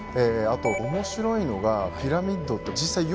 あと面白いのがピラミッドって実際よく見てみると